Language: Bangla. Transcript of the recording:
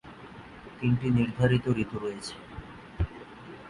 তিনটি নির্ধারিত ঋতু রয়েছে।